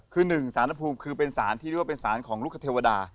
คือหนึ่งสารภูมิคือเป็นสารที่เรียกว่าเป็นสารของลูกคเทวดา